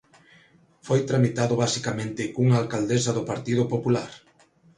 Foi tramitado basicamente cunha alcaldesa do Partido Popular.